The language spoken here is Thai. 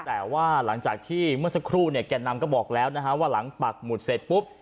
แต่ว่าหลังจากที่เมื่อสักครู่เนี่ยแก่นำก็บอกแล้วนะฮะว่าหลังปักหมุดเสร็จปุ๊บ